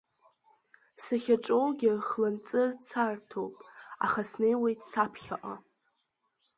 Сахьаҿоугьы хланҵы царҭоуп, аха снеиуеит саԥхьаҟа.